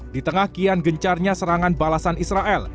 di tengah kian gencarnya serangan balasan israel